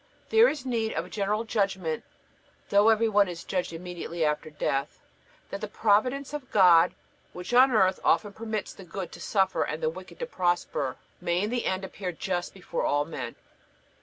There is need of a General Judgment, though every one is judged immediately after death, that the providence of God, which, on earth, often permits the good to suffer and the wicked to prosper, may in the end appear just before all men.